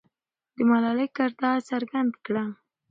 د ملالۍ کردار څرګند کړه.